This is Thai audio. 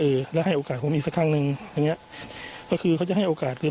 เออแล้วให้โอกาสผมอีกสักครั้งนึงก็คือเขาจะให้โอกาสคือ